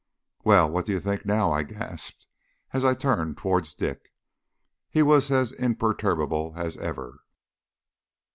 "Well, what do you think now?" I gasped, as I turned towards Dick. He was as imperturbable as ever.